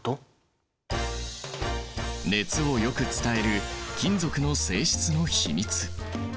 熱をよく伝える金属の性質の秘密。